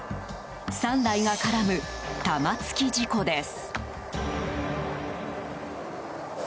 ３台が絡む玉突き事故です。